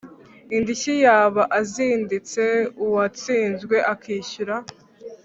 Indishyi yaba azitsindiye Uwatsinzwe akishyura